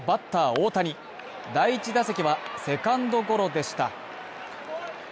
大谷第１打席はセカンドゴロでした。